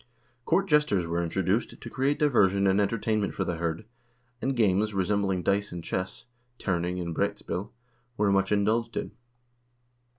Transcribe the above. Court jesters were introduced to create diversion and entertainment for the hird, and games, resembling dice and chess (terning and broetspil), were much indulged in.